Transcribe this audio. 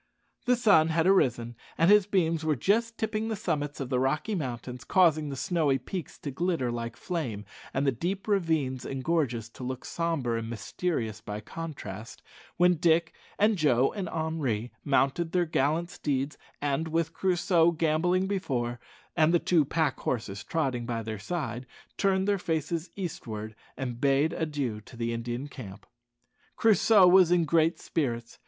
The sun had arisen, and his beams were just tipping the summits of the Rocky Mountains, causing the snowy peaks to glitter like flame, and the deep ravines and gorges to look sombre and mysterious by contrast, when Dick and Joe and Henri mounted their gallant steeds, and, with Crusoe gambolling before, and the two pack horses trotting by their side, turned their faces eastward, and bade adieu to the Indian camp. Crusoe was in great spirits.